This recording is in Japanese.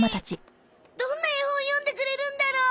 どんな絵本読んでくれるんだろう。